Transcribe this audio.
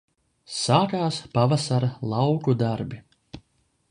Sākās pavasara lauku darbi